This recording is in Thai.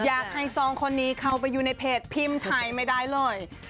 อยากให้สองคนนี้เข้าไปอยู่ในเพจพิมพ์ไทยไม่ได้เลย